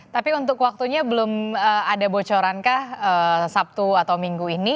tapi untuk waktunya belum ada bocoran kah sabtu atau minggu ini